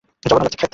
জঘন্য লাগছে খেতে।